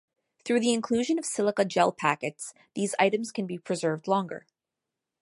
Through the inclusion of silica gel packets, these items can be preserved longer.